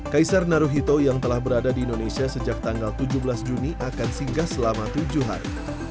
kaisar naruhito yang telah berada di indonesia sejak tanggal tujuh belas juni akan singgah selama tujuh hari